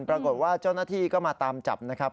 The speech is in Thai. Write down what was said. ปรากฏว่าเจ้าหน้าที่ก็มาตามจับนะครับ